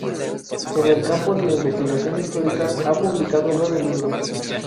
En el campo de la investigación histórica ha publicado nueve libros.